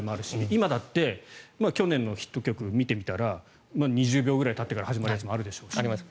今だって去年のヒット曲を見たら２０秒くらいたってから始まるやつもあるでしょうし。